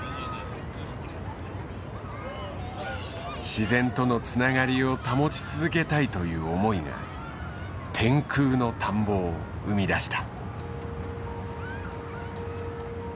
自然とのつながりを保ち続けたいという思いが天空の田んぼを生み出した。